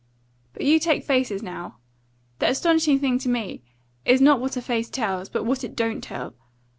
But you take faces now! The astonishing thing to me is not what a face tells, but what it don't tell.